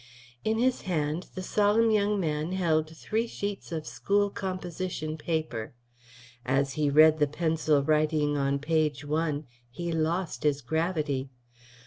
In his hand the solemn young man held three sheets of school composition paper. As he read the pencil writing on page one he lost his gravity.